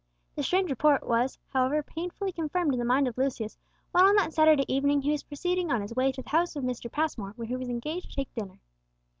The strange report was, however, painfully confirmed in the mind of Lucius when on that Saturday evening he was proceeding on his way to the house of Mr. Passmore, where he was engaged to take dinner.